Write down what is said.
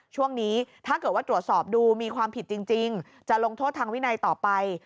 ช่วงนี้ถ้าเกิดว่าตรวจสอบดูมีความผิดจริงจะลงโทษทางวินัยต่อไป